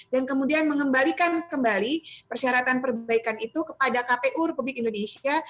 dan kemudian mengembalikan kembali persyaratan perbaikan itu kepada kpu republik indonesia